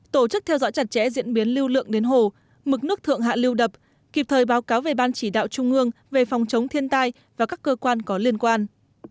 tổ chức theo dõi chặt chẽ diễn biến lưu lượng đến hồ mực nước thượng hạ lưu đập kịp thời báo cáo về ban chỉ đạo trung ương về phòng chống thiên tai và các cơ quan có liên quan